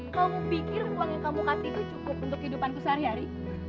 kamu pikir uang yang kamu kasih itu cukup untuk kehidupanku sehari hari